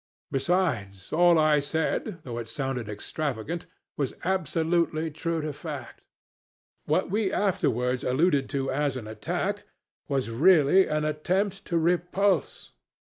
Besides, all I said, though it sounded extravagant, was absolutely true to fact. What we afterwards alluded to as an attack was really an attempt at repulse.